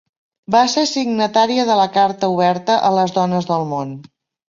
Va ser signatària de la Carta oberta a les dones del món.